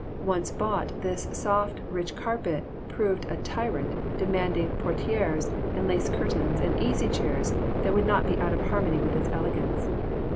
Once bought, this soft, rich carpet proved a tyrant, demanding portieres and lace curtains and easy chairs that would not be out of harmony with its elegance.